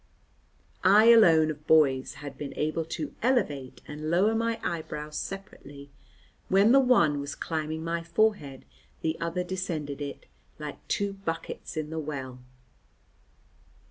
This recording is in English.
I alone of boys had been able to elevate and lower my eyebrows separately; when the one was climbing my forehead the other descended it, like the two buckets in the well.